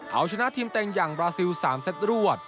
เอาชนะทีมเต็งอย่างบราซิล๓เซตรวด